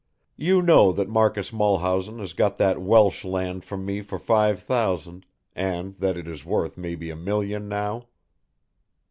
You known that Marcus Mulhausen has got that Welsh land from me for five thousand, and that it is worth maybe a million now."